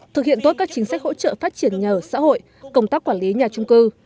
thực hiện tốt các chính sách hỗ trợ phát triển nhà ở xã hội công tác quản lý nhà trung cư